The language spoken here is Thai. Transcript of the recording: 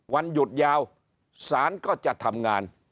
วันหยุดยาวศาลก็จะทำงาน